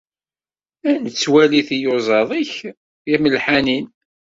Ad nettwali tiyuẓaḍ-ik timelḥanin.